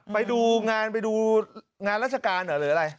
ไปดูงานราชการหรืออะไร